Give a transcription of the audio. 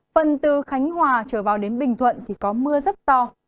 phần từ khánh hòa trở vào đến bình thuận thì có mưa rất to